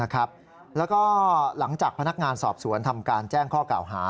แล้วก็หลังจากพนักงานสอบสวนทำการแจ้งข้อกล่าวหา